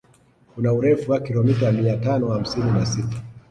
Kuna urefu wa kilomita mia tano hamsini na sita